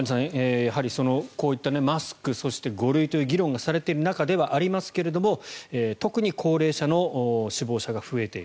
やはり、こういったマスク、５類という議論がされている中ではありますが特に高齢者の死亡者が増えている。